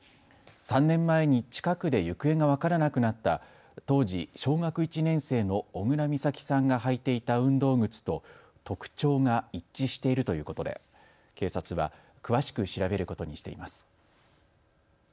３年前に近くで行方が分からなくなった当時小学１年生の小倉美咲さんが履いていた運動靴と特徴が一致しているということで警察は詳しく調べることにしています。